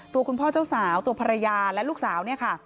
ตัวคุณพ่อเจ้าสาวตัวภรรยาและลูกสาวเนี่ยค่ะ